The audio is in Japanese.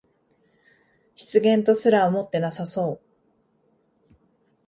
失言とすら思ってなさそう